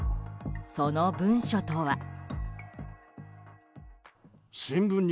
その文書とは。